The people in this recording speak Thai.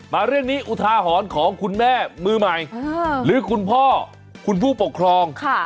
เรื่องนี้อุทาหรณ์ของคุณแม่มือใหม่หรือคุณพ่อคุณผู้ปกครอง